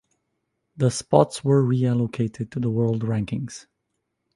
The spots were reallocated to the world rankings.